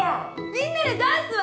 みんなでダンスは？